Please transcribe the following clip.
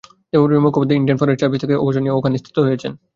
Debapriya Mukhopadhyay Indian foreign service থেকে অবসর নিয়ে ওখানেই স্থিত হয়েছেন।